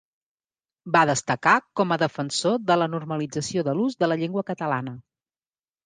Va destacar com a defensor de la normalització de l’ús de la llengua catalana.